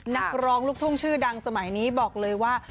นักร้องลูกทุ่งชื่อดังสมัยนี้บอกเลยว่า